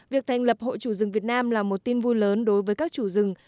việc thành lập hội chủ rừng việt nam là một tin vui lớn đối với các chủ rừng